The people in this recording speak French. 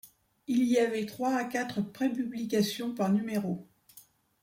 Il y avait trois à quatre prépublications par numéro.